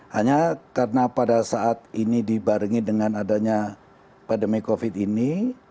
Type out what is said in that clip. hanya karena pada saat ini dibarengi dengan adanya pandemi covid ini